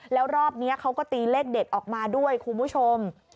แล้วรอบนี้เขาก็ตีเลขเด็ดออกมาด้วยคุณผู้ชม